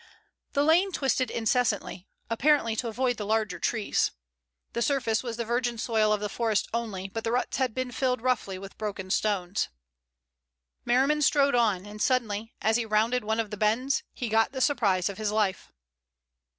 The lane twisted incessantly, apparently to avoid the larger trees. The surface was the virgin soil of the forest only, but the ruts had been filled roughly with broken stones. Merriman strode on, and suddenly, as he rounded one of the bends, he got the surprise of his life.